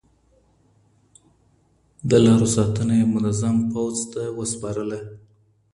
د لارو ساتنه يې منظم پوځ ته وسپارله.